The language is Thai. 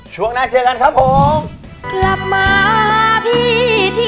ช่วงหน้าเจอกันครับผม